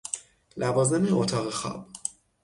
لوازم اتاق خواب: